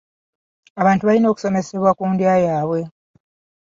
Abantu balina okusomesebwa ku ndya yaabwe.